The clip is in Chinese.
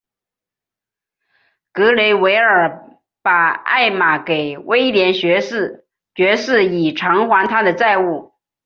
格雷维尔把艾玛给威廉爵士以偿还他的债务。